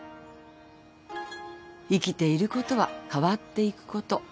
生きていることは変わっていくこと。